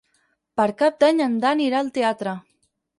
Per Cap d'Any en Dan irà al teatre.